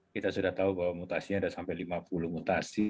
kita sudah tahu bahwa mutasinya ada sampai lima puluh mutasi